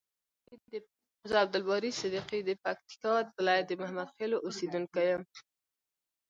ز عبدالباری صدیقی د پکتیکا ولایت د محمدخیلو اوسیدونکی یم.